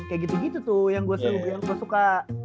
kayak gitu gitu tuh yang gue suka